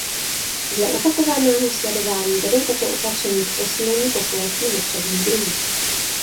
Dle opakovaného sledování vedou tato opatření k posílení populací mokřadních druhů.